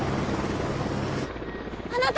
あなた！